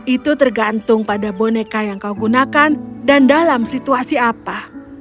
itu tergantung pada boneka yang kau gunakan dan dalam situasi apa